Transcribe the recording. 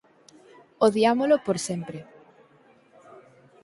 Odiámolo por sempre!